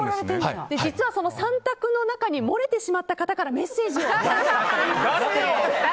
実は、その３択の中に漏れてしまった方から誰よ！